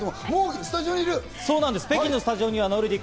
もうスタジオにいる？